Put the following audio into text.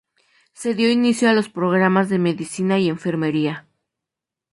Se dio inicio a los programas de Medicina y Enfermería.